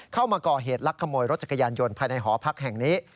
เข้ามาก่อเหตุลักขโมยรถจักรยานยนต์ภายในหอพักแห่งนี้